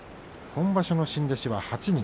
今場所の新弟子は８人。